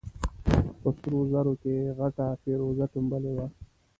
په سرو زرو کې غټه فېروزه ټومبلې وه.